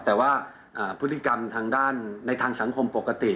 แต่ว่าพฤติกรรมทางด้านในทางสังคมปกติ